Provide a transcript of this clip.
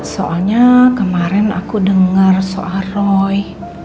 soalnya kemarin aku dengar soal roy